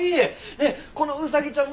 ねえこのウサギちゃんも。